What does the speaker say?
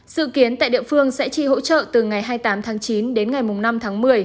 dự kiến tại địa phương sẽ chi hỗ trợ từ ngày hai mươi tám tháng chín đến ngày năm tháng một mươi